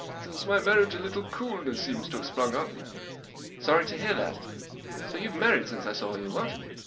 Since my marriage a little coolness seems to have sprung up." " Sorry to hear that. So you've married since I saw you, what